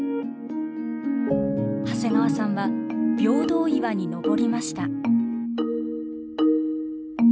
長谷川さんは平等岩に登りました。